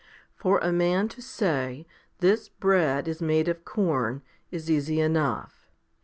2 n. For a man to say, "This bread is made of corn," is easy enough.